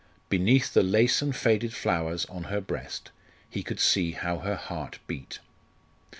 Beneath the lace and faded flowers on her breast he could see how her heart beat.